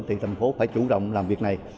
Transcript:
thì thành phố phải chủ động làm việc này